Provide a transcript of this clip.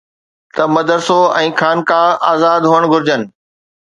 ته مدرسو ۽ خانقاه آزاد هئڻ گهرجن